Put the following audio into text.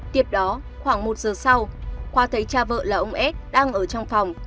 tiếp đó khoảng một giờ sau khoa thấy cha vợ là ông s đang ở trong phòng